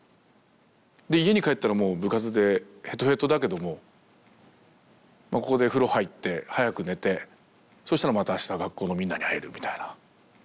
で家に帰ったらもう部活でヘトヘトだけどもここで風呂入って早く寝てそしたらまたあした学校のみんなに会えるみたいな。